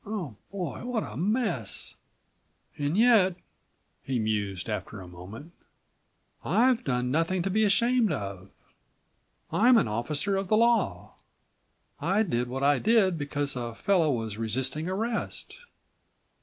Oh, boy, what a mess!83 "And yet," he mused, after a moment, "I've done nothing to be ashamed of. I'm an officer of the law. I did what I did because a fellow was resisting arrest.